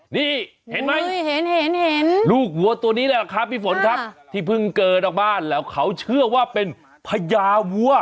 นี่เห็นไหมเห็นลูกวัวตัวนี้แหละครับพี่ฝนครับที่เพิ่งเกิดออกมาแล้วเขาเชื่อว่าเป็นพญาวัว